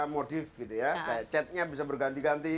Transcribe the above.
modif gitu ya catnya bisa berganti ganti